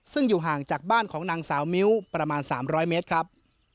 ซึ่งอยู่ห่างจากบ้านของนางสาวมิ้วประมาณ๓๐๐เมตรครับ